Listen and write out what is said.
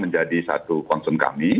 menjadi satu konsum kami